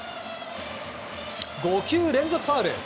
５球連続ファウル。